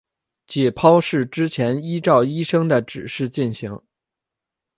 解剖是之前依照医生的指示进行。